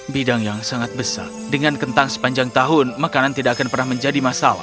bidang yang sangat besar dengan kentang sepanjang tahun makanan tidak akan pernah menjadi masalah